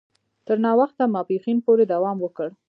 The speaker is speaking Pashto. تر ناوخته ماپښین پوري دوام وکړ.